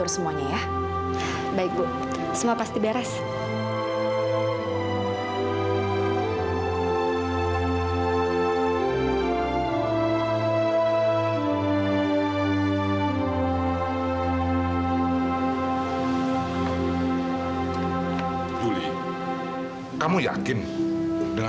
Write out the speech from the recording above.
sampai jumpa di video selanjutnya